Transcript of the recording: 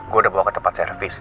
gue udah bawa ke tempat servis